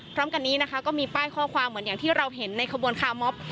พร้อมกันนี้นะคะก็มีป้ายข้อความเหมือนอย่างที่เราเห็นในขบวนคาร์มอบ